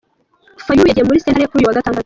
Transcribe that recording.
Fayulu yagiye muri sentare kuri uyu wa gatandatu.